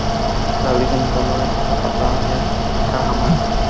La virgen de los Dolores es la Patrona de Cajamarca.